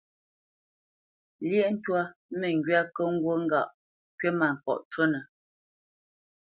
Lyéʼ twâ məŋgywá kə̂ ŋgût ŋgâʼ kywítmâŋkɔʼ cúnə̄.